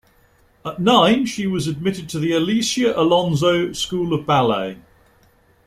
At nine, she was admitted to the Alicia Alonso School of Ballet.